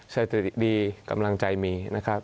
สติดีกำลังใจมีนะครับ